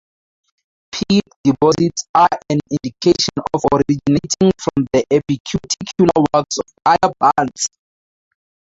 Peat deposits are an indication of originating from the epicuticular wax of higher plants.